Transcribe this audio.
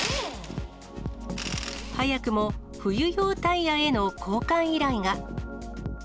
早くも冬用タイヤへの交換依頼が。